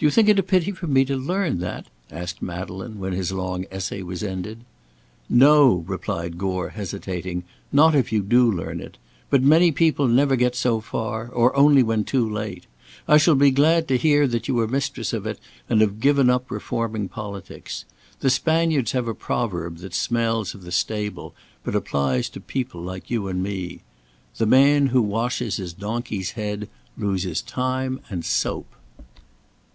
"Do you think it a pity for me to learn that?" asked Madeleine when his long essay was ended. "No!" replied Gore, hesitating; "not if you do learn it. But many people never get so far, or only when too late. I shall be glad to hear that you are mistress of it and have given up reforming politics. The Spaniards have a proverb that smells of the stable, but applies to people like you and me: The man who washes his donkey's head, loses time and soap."